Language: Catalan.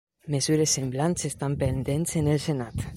Mesures semblants estan pendents en el senat.